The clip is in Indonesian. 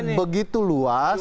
jadi begitu luas